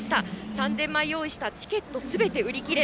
３０００枚用意したチケットは、すべて売り切れ。